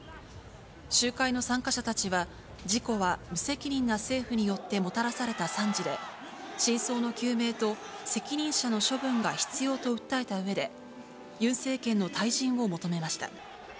集会の参加者たちは、事故は無責任な政府によってもたらされた惨事で、真相の究明と、責任者の処分が必要と訴えたうえで、ユン政権の退陣を求めました。